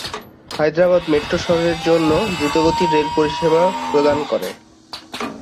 Hyderabad metro শহরের জন্য দ্রুতগতির রেল পরিষেবা প্রদান করে।